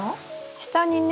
下にね。